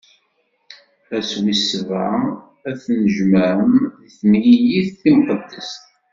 Ass wis sebɛa ad d-tennejmaɛem, d timlilit timqeddest.